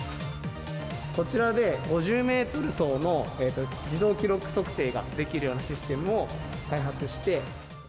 こちらで、５０メートル走の自動記録測定ができるようなシステムを開発して。